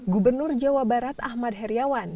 gubernur jawa barat ahmad heriawan